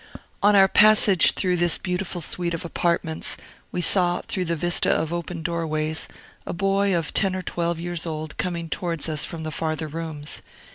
On our passage through this beautiful suite of apartments, we saw, through the vista of open doorways, a boy of ten or twelve years old coming towards us from the farther rooms.